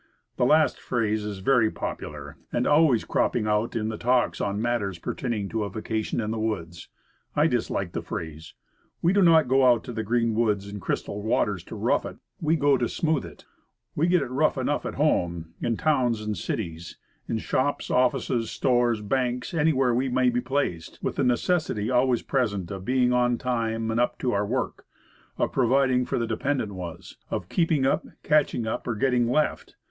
The last phrase is very popular and always cropping out in the talks on matters pertaining to a vacation in the woods. I dislike the phrase. We do not go to the green woods and crystal waters to rough it, we go to smooth it. We get it rough enough at home; in towns and cities; in shops, offices, stores, banks anywhere that we may be placed with the necessity always present of being on time and up to our work; of providing for de pendent ones; of keeping up, catching up, or getting left.